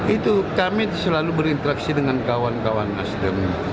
itu kami selalu berinteraksi dengan kawan kawan nasdem